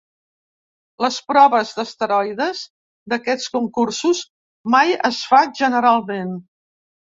Les proves d'esteroides en aquests concursos mai es fa generalment.